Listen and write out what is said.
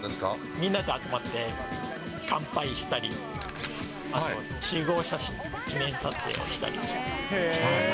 みんなと集まって、乾杯したり、あと集合写真や記念撮影をしたりしました。